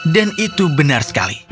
dan itu benar sekali